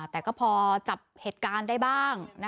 แต่ก็พอจับเหตุการณ์ได้บ้าง